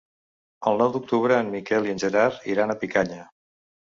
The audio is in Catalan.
El nou d'octubre en Miquel i en Gerard iran a Picanya.